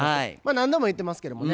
何度も言ってますけどもね